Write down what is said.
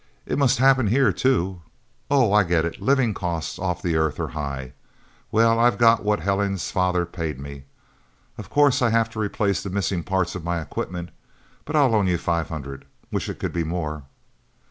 "It must happen here, too. Oh, I get it living costs, off the Earth, are high. Well I've got what Helen's father paid me. Of course I have to replace the missing parts of my equipment. But I'll loan you five hundred. Wish it could be more."